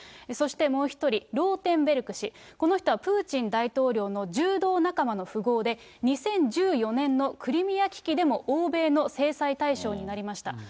そしてもう１人、ローテンベルク氏、この人はプーチン大統領の柔道仲間の富豪で、２０１４年のクリミア危機でも欧米の制裁対象になりました。